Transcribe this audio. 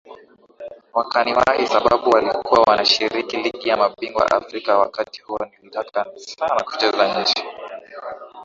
wakaniwahi sababu walikuwa wanashiriki Ligi ya Mabingwa Afrika wakati huo nilitaka sana kucheza nje